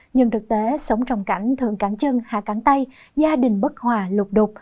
nhưng thực tế sống trong cảnh thường cắn chân hạ cánh tay gia đình bất hòa lục đục